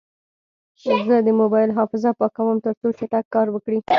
زه د موبایل حافظه پاکوم، ترڅو چټک کار وکړي.